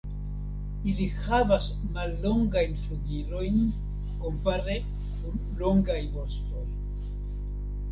Ili havas mallongajn flugilojn kompare kun longaj vostoj.